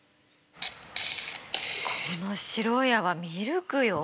この白い泡ミルクよ。